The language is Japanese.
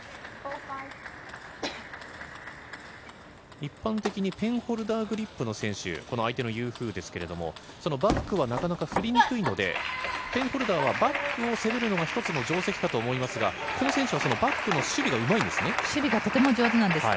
一般的にペンホルダーグリップの選手相手のユー・フーですがバックはなかなか振りにくいのでペンホルダーはバックを攻めるのが１つの定石かと思いますがこの選手は、そのバックの守備がうまいんですね。